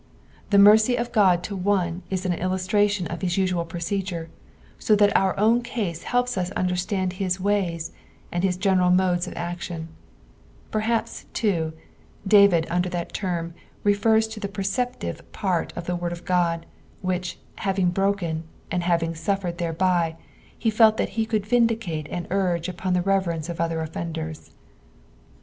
The mercy of God U> one is an illustration of Lis usual procedure, so that our own cnse helps us to uoderstand hia "ways," or his general modes of action : perhaps, too, Bavid under that term refers to the preceptive part of the word of Qod, which, having broken, and having auSered thereby, he felt that be could vindicate and urge upon the reverence of other oSenders.